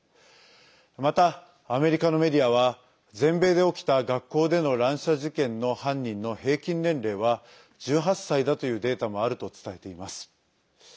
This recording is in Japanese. また、アメリカのメディアは全米で起きた学校での乱射事件の犯人の平均年齢は１８歳だというデータもあると伝えています。